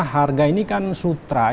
harga ini kan sutra